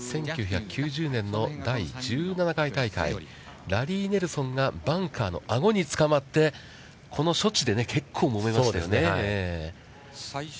１９９０年の第１７回大会、ラリー・ネルソンがバンカーの顎につかまって、この処置で結構もめましたよね。